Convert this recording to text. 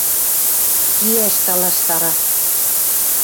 Кеӓш талаштара.